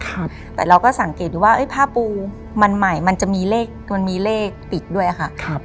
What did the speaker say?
แต่เราก็สังเกตดูว่าเอ้ยผ้าปูมันใหม่มันจะมีเลขมันมีเลขติดด้วยค่ะครับ